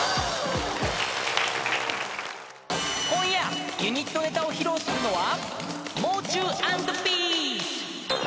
［今夜ユニットネタを披露するのは］